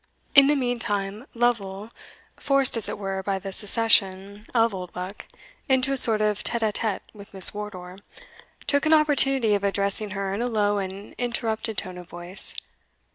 In the meantime, Lovel, forced as it were by this secession of Oldbuck, into a sort of tete a' tete with Miss Wardour, took an opportunity of addressing her in a low and interrupted tone of voice.